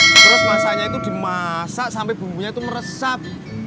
terus masanya itu dimasak sampai bumbunya itu meresap